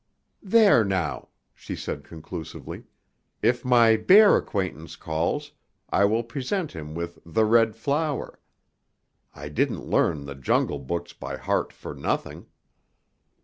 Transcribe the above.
"There now," she said conclusively, "if my bear acquaintance calls, I will present him with 'the red flower.' I didn't learn the 'Jungle Books' by heart for nothing."